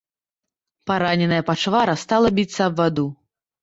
Параненая пачвара стала біцца аб ваду.